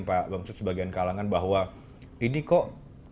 pak bamsud sebagian kalangan bahwa ini kok